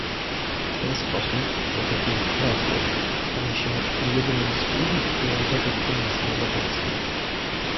W ten sposób Protokół "Transport" stanie się jednym z głównych priorytetów Komisji Europejskiej